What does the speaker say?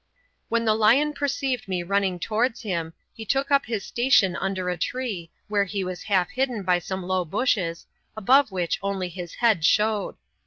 When the lion perceived me running towards him, he took up his station under a tree, where he was half hidden by some low bushes, above which only his head showed.